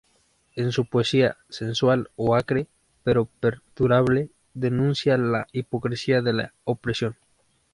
En su poesía, sensual o acre, pero perdurable, denuncia la hipocresía de la opresión.